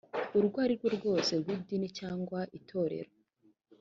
urwo ari rwo rwose rw’ idini cyangwa itorero